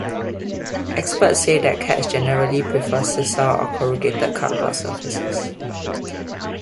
Experts say that cats generally prefer sisal or corrugated cardboard surfaces.